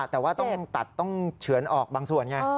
แต่ว่าต้องตัดต้องเฉือนออกบางส่วนไง